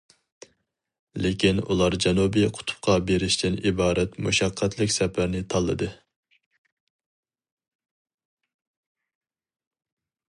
لېكىن ئۇلار جەنۇبى قۇتۇپقا بېرىشتىن ئىبارەت مۇشەققەتلىك سەپەرنى تاللىدى.